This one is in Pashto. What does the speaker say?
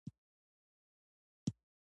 منی د افغانستان د اجتماعي جوړښت برخه ده.